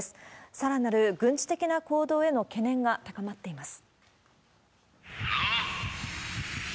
さらなる軍事的な行動への懸念が高まっています。